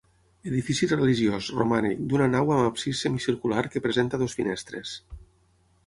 Edifici religiós, romànic, d'una nau amb absis semicircular que presenta dues finestres.